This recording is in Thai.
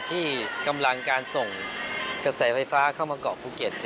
ที่กำลังการส่งกระแสไฟฟ้าเข้ามาเกาะภูเก็ต